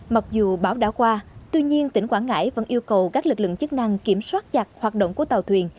mặc dù bão đã qua tuy nhiên tỉnh quảng ngãi vẫn yêu cầu các lực lượng chức năng kiểm soát chặt hoạt động của tàu thuyền